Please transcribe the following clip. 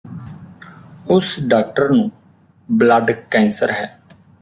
ਉਸ ਡਾਕਟਰ ਨੂੰ blood cancer ਹੈ